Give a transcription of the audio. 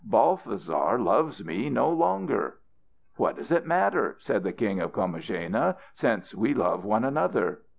Balthasar loves me no longer!" "What does it matter," said the King of Comagena, "since we love one another?"